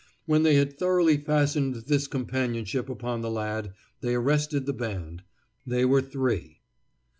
When they had thoroughly fastened this companionship upon the lad, they arrested the band. They were three.